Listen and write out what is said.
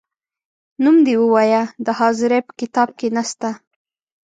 نوم دي ووایه د حاضرۍ په کتاب کې نه سته ،